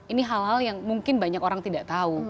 ini hal hal yang mungkin banyak orang tidak tahu